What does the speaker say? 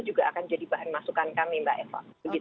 juga akan jadi bahan masukan kami mbak eva